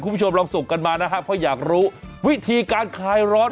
คุณผู้ชมลองส่งกันมานะครับเพราะอยากรู้วิธีการคลายร้อน